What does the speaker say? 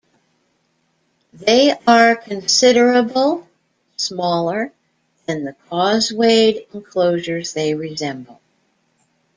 They are considerable smaller than the causewayed enclosures they resemble.